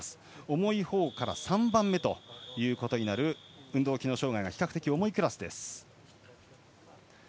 重いほうから３番目となる運動機能障がいが比較的重いクラスです。